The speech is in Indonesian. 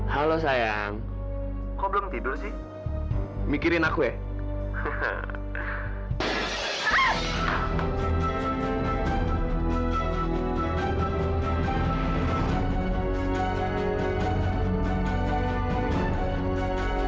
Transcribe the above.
halo sayang kok belum tidur sih mikirin aku ya